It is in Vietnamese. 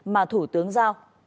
mà thủ tướng giao